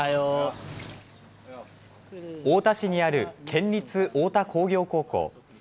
太田市にある県立太田工業高校。